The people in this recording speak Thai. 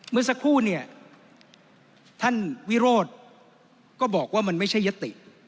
เมื่อสักครู่เนี่ยท่านวิโรธก็บอกว่ามันไม่ใช่ยติ